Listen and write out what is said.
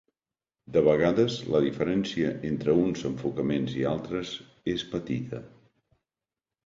De vegades, la diferència entre uns enfocaments i altres és petita.